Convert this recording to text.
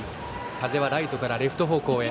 風はライトからレフト方向へ。